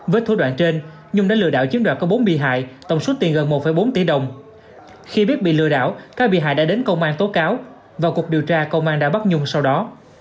với thủ đoạn trên nhung đã lừa đảo chiếm đoạt có bốn bị hại tổng số tiền gần một bốn tỷ đồng khi biết bị lừa đảo các bị hại đã đến công an tố cáo và cục điều tra công an đã bắt nhung sau đó